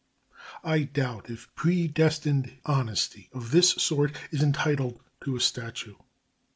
I doubt if predestined honesty of this sort is entitled to a statue.